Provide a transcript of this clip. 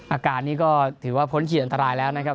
อาการนี้ก็ถือว่าพ้นขีดอันตรายแล้วนะครับ